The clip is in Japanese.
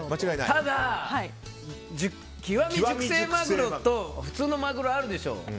ただ、極み熟成まぐろと普通のマグロあるでしょ。